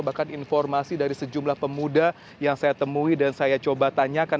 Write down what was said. bahkan informasi dari sejumlah pemuda yang saya temui dan saya coba tanyakan